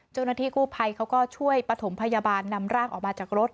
เจ้าหน้าที่กู้ภัยเขาก็ช่วยปฐมพยาบาลนำร่างออกมาจากรถ